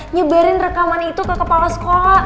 nyebarin rekaman itu ke kepala sekolah